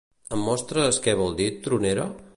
Em mostres què vol dir tronera?